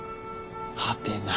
はてな。